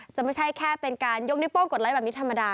ไม่ใช่แค่เป็นการยกนิโป้งกดไลค์แบบนี้ธรรมดา